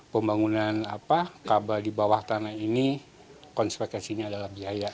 pembangunan kabel di bawah tanah ini konspekuensinya adalah biaya